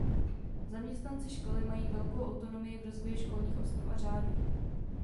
Zaměstnanci školy mají velkou autonomii v rozvoji školních osnov a řádu.